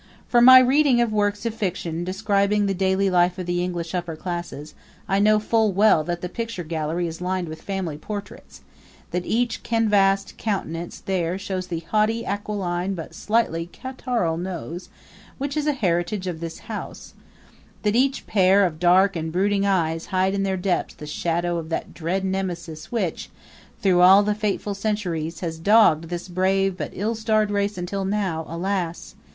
From my readings of works of fiction describing the daily life of the English upper classes I know full well that the picture gallery is lined with family portraits; that each canvased countenance there shows the haughtily aquiline but slightly catarrhal nose, which is a heritage of this house; that each pair of dark and brooding eyes hide in their depths the shadow of that dread Nemesis which, through all the fateful centuries, has dogged this brave but ill starred race until now, alas!